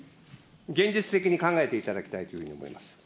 現実的に考えていただきたいと思います。